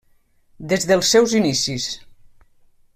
Des dels seus inicis.